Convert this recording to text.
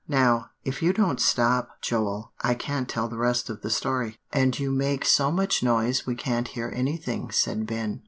Now, if you don't stop, Joel, I can't tell the rest of the story;" "and you make so much noise we can't hear anything," said Ben.